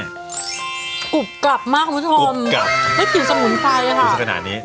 อกูปกับมากผู้ชมกูปกับได้กินสมุนไซม์อ่ะแล้วก็คือขนาดนี้